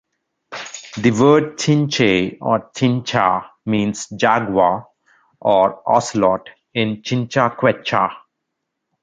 The word "Chinchay" or "Chincha", means "Jaguar" or "Ocelot" in Chincha Quechua.